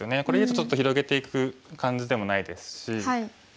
これ以上ちょっと広げていく感じでもないですし。